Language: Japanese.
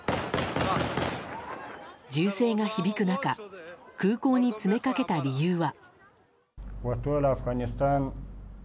銃声が響く中空港に詰めかけた理由は。